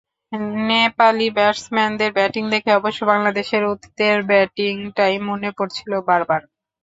নেপালি ব্যাটসম্যানদের ব্যাটিং দেখে অবশ্য বাংলাদেশের অতীতের ব্যাটিংটাই মনে পড়ছিল বারবার।